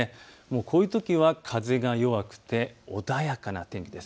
こういうときは風が弱くて穏やかな天気です。